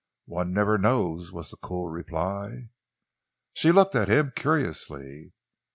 "One never knows," was the cool reply. She looked at him curiously.